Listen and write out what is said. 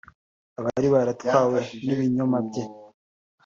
Abari baratwawe n’ibinyoma bye